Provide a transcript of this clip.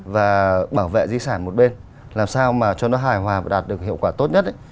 và bảo vệ di sản một bên làm sao mà cho nó hài hòa và đạt được hiệu quả tốt nhất